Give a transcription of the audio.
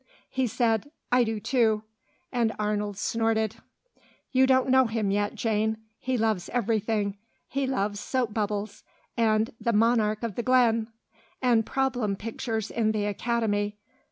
He said, "I do too," and Arnold snorted. "You don't know him yet, Jane. He loves everything. He loves 'Soap bubbles,' and 'The Monarch of the Glen,' and problem pictures in the Academy.